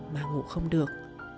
mà ngủ không được